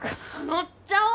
乗っちゃおう！